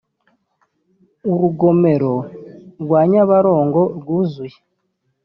urugomero rwa Nyabarongo rwuzuye